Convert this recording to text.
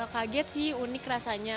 kaget sih unik rasanya